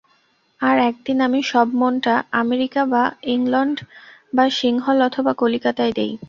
আর একদিন আমি সব মনটা আমেরিকা বা ইংলণ্ড বা সিংহল অথবা কলিকাতায় দিই।